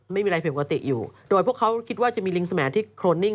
ไม่มีอะไรผิดปกติอยู่โดยพวกเขาคิดว่าจะมีลิงสมัยที่โครนนิ่ง